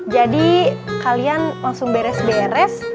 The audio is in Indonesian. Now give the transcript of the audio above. jadi kalian langsung beres beres